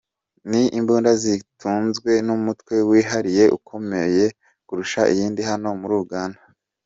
Ni imbunda zitunzwe n’umutwe wihariye ukomeye kurusha iyindi hano muri Uganda.”